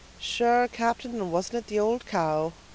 "Sure, captain, and wasn't it the ould cow?"